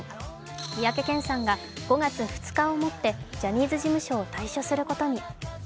三宅健さんが５月２日をもってジャニーズ事務所を退所することに。